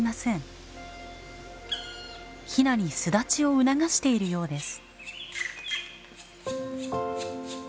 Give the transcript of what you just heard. ヒナに巣立ちを促しているようです。